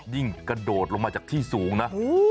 กระโดดลงมาจากที่สูงนะ